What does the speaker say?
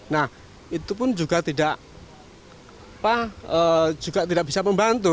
nah itu pun juga tidak bisa membantu